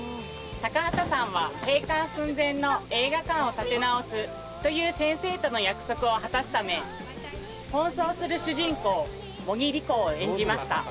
高畑さんは閉館寸前の映画館を立て直すという先生との約束を果たすため奔走する主人公茂木莉子を演じました。